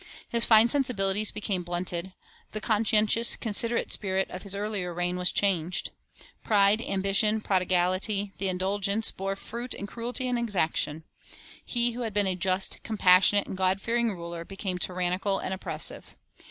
His fine sensibilities became blunted. The conscientious, considerate spirit of his early reign was changed. Pride, ambition, prodigality, and indul gence bore fruit in cruelty and exaction. He who had been a just, compassionate, and God fearing ruler, be came tyrannical and oppressive.